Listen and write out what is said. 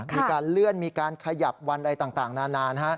มีการเลื่อนมีการขยับวันอะไรต่างนาน